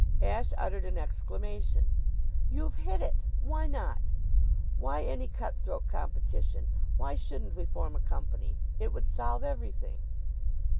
Ashe uttered an exclamation. "You've hit it! Why not? Why any cutthroat competition? Why shouldn't we form a company? It would solve everything."